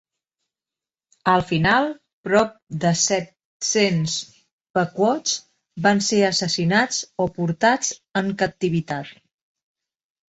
Al final, prop de set-cents pequots van ser assassinats o portats en captivitat.